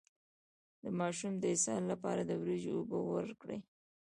د ماشوم د اسهال لپاره د وریجو اوبه ورکړئ